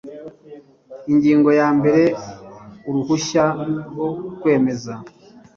ingingo ya mbere uruhushya rwo kwemeza